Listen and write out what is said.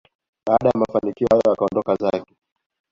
baada ya mafanikio hayo akaondoka zake